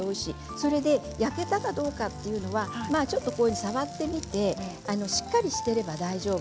それで焼けたかどうかというのはちょっと触ってみてしっかりしていれば大丈夫。